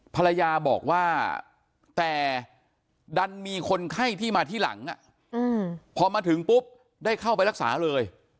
ภรรยาบอกว่าแต่ดันมีคนไข้ที่มาที่หลังพอมาถึงปุ๊บได้เข้าไปรักษาเลย